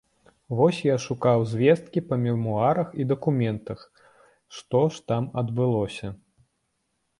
Вось я шукаў звесткі па мемуарах і дакументах, што ж там адбылося.